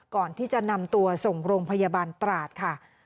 ก่อนที่จะนำตัวส่งโรงพยาบาลตราดค่ะ